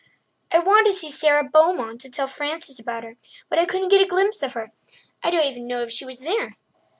"I wanted to see Sara Beaumont to tell Frances about her, but I couldn't get a glimpse of her. I don't even know if she was there."